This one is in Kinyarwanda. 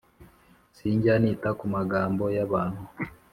Sinjya nita kumagambo y’abantu